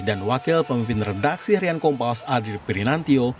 dan wakil pemimpin redaksi harian kompas arief pirinantio